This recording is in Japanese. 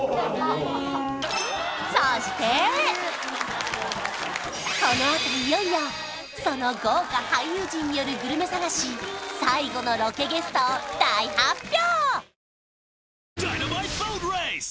そしてこのあといよいよその豪華俳優陣によるグルメ探し最後のロケゲストを大発表！